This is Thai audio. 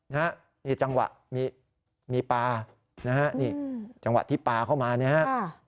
นะฮะนี่จังหวะมีปลานะฮะนี่จังหวะที่ปลาเข้ามาเนี่ยฮะ